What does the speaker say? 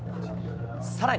さらに。